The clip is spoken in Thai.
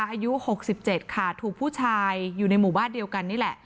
อายุ๖๗ค่ะถูกผู้ชายอยู่ในหมู่บ้านเดียวกันนี่แหละ